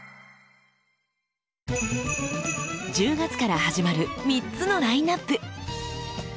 １０月から始まる３つのラインナップ。